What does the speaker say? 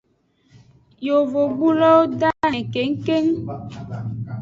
Yovogbulowo dahen kengkeng.